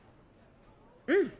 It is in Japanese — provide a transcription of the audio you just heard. うん。